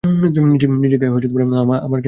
নিজেকে আমার কেমন ভয় করছে।